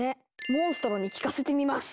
モンストロに聞かせてみます。